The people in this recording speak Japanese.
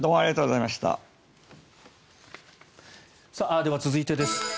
では、続いてです。